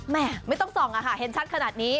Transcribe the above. แม่ไม่ต้องส่องอะค่ะเห็นชัดขนาดนี้